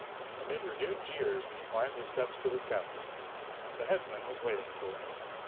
Amid renewed jeers, we climbed the steps to the scaffold. The headsman was waiting for us.